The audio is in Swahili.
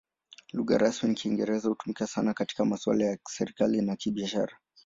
Lugha rasmi ni Kiingereza; hutumika sana katika masuala ya serikali na biashara.